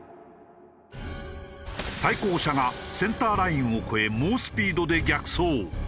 対向車がセンターラインを越え猛スピードで逆走。